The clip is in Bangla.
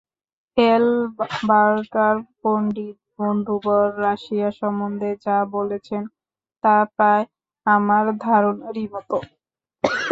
এলবার্টার পণ্ডিত বন্ধুবর রাশিয়া সম্বন্ধে যা বলেছেন, তা প্রায় আমার ধারণারই মত।